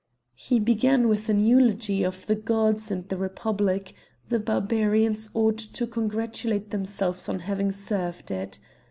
He began with an eulogy of the gods and the Republic; the Barbarians ought to congratulate themselves on having served it.